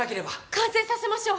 完成させましょう。